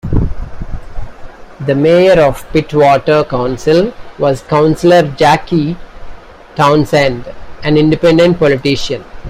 The Mayor of Pittwater Council was Councillor Jacqui Townsend, an independent politician.